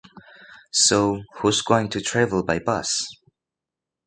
So who’s going to travel by bus?